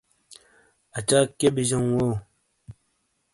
اچاک کیئے بی جاؤں وو؟